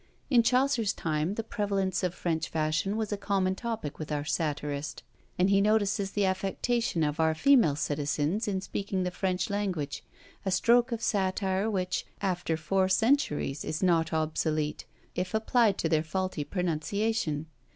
In Chaucer's time, the prevalence of French fashions was a common topic with our satirist; and he notices the affectation of our female citizens in speaking the French language, a stroke of satire which, after four centuries, is not obsolete, if applied to their faulty pronunciation.